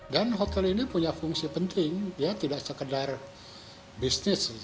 dan hotel ini punya fungsi penting ya tidak sekedar bisnis